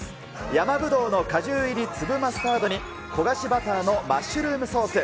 山ぶどうの果汁入り粒マスタードに、焦がしバターのマッシュルームソース。